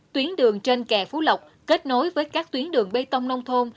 tuyến đường trên kè phú lộc kết nối với các tuyến đường bê tông nông thôn